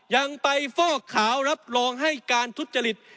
ยังไปฟอกขาวรับรองให้การทุจริต